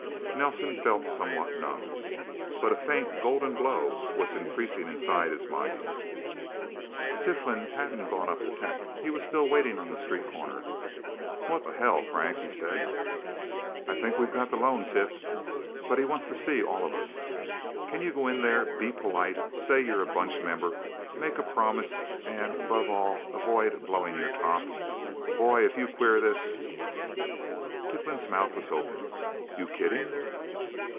Nelsen felt somewhat numb. But a faint, golden glow was increasing inside his mind. Tiflin hadn't gone up to Tech. He was still waiting on the street corner. "What the hell, Frank?" he said. "I think we've got the loan, Tif. But he wants to see all of us. Can you go in there, be polite, say you're a Bunch member, make a promise, and above all avoid blowing your top? Boy if you queer this...!" Tiflin's mouth was open. "You kidding?"